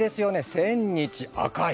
千日紅い。